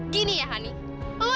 gini ya hani lo emang cewek tajir dong